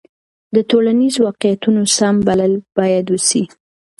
د ټولنیزو واقعیتونو سم بلل باید وسي.